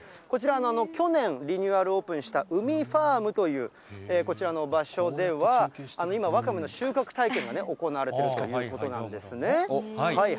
こちら、去年、リニューアルオープンしたうみファームというこちらの場所では、今、ワカメの収穫体験が行われているということなんですね。